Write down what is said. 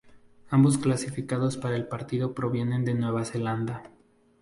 Ambos clasificados para el partido provienen de Nueva Zelanda.